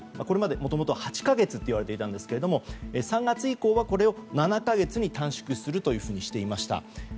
これまで、もともとは８か月といわれていたんですが３月以降はこれを７か月に短縮するとしていました。